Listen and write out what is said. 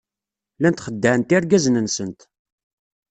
Llant xeddɛent irgazen-nsent.